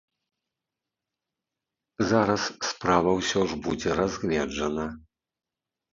Зараз справа ўсё ж будзе разгледжана.